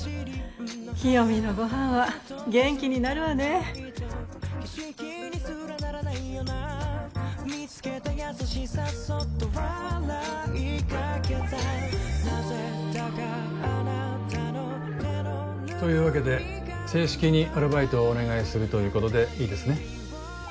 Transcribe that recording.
清美のご飯は元気になるわねというわけで正式にアルバイトをお願いするということでいいですね？